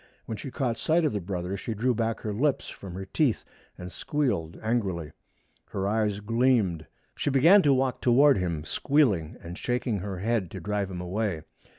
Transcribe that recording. When she caught sight of the brother she drew back her lips from her teeth and squealed angrily. Her eyes gleamed. She began to walk toward him, squealing and shaking her head to drive him away.